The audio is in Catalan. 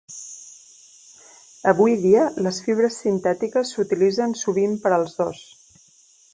Avui dia, les fibres sintètiques s'utilitzen sovint per als dos.